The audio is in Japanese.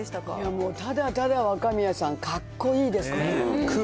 もう、ただただ若宮さん、かっこいいです。